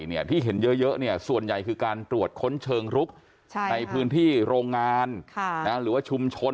เนี่ยที่เห็นเยอะเนี่ยส่วนใหญ่คือการตรวจค้นเชิงรุกในพื้นที่โรงงานหรือว่าชุมชน